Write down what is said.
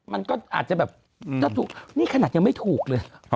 มันก็อาจจะแบบถ้าถูกนี่ขนาดยังไม่ถูกเลย